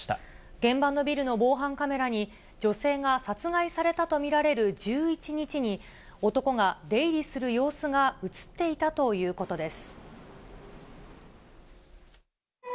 現場のビルの防犯カメラに、女性が殺害されたと見られる１１日に、男が出入りする様子が写っていたということです。